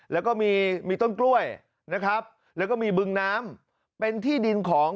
แล้วก็มีมีต้นกล้วยนะครับแล้วก็มีบึงน้ำเป็นที่ดินของ